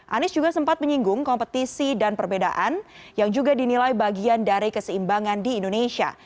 anies juga sempat menyinggung kompetisi dan perbedaan yang juga dinilai bagian dari keseimbangan di indonesia